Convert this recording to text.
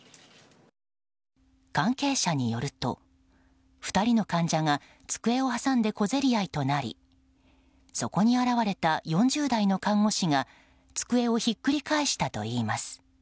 関係者によると２人の患者が机を挟んで小競り合いとなりそこに現れた４０代の看護師が机をひっくり返したといいます。